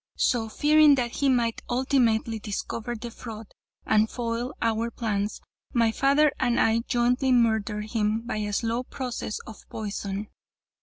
So, fearing that he might ultimately discover the fraud and foil our plans, my father and I jointly murdered him by a slow process of poison.